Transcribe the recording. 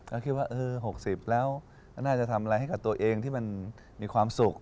ก็คิดว่า๖๐แล้วน่าจะทำอะไรให้กับตัวเองที่มันมีความสุข